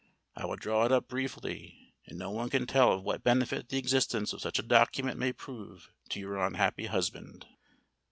I will draw it up briefly; and no one can tell of what benefit the existence of such a document may prove to your unhappy husband."